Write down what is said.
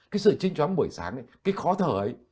cái sự trinh chóng buổi sáng cái khó thở ấy